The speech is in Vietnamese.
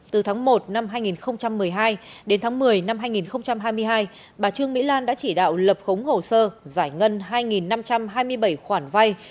từ tháng một năm hai nghìn một mươi hai đến tháng một mươi năm hai nghìn hai mươi hai bà trương mỹ lan đã chỉ đạo lập khống hồ sơ giải ngân hai năm trăm hai mươi bảy khoản vay